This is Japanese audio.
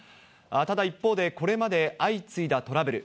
ただ、一方でこれまで、相次いだトラブル。